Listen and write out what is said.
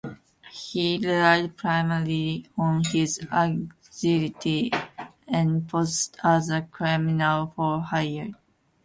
He relied primarily on his agility, and posed as a criminal for hire.